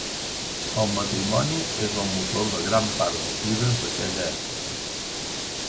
El matrimoni és el motor de gran part dels llibres d'aquella època.